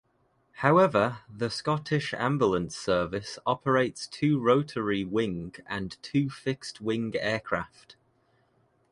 However the Scottish Ambulance Service operates two rotary wing and two fixed wing aircraft.